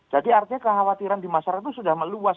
jadi artinya kekhawatiran di masyarakat itu sudah meluas